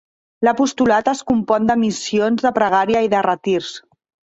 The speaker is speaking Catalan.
L'apostolat es compon de missions de pregària i de retirs.